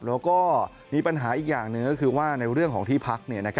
แล้วก็มีปัญหาอีกอย่างหนึ่งก็คือว่าในเรื่องของที่พัก